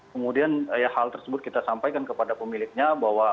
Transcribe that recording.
kemudian hal tersebut kita sampaikan kepada pemiliknya bahwa